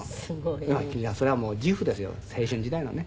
すごい。それは自負ですよ青春時代のね。